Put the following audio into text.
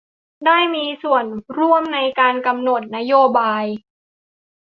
ได้มีส่วนร่วมในการกำหนดนโยบาย